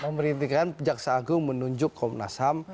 memerintikan jaksa agung menunjuk komnas ham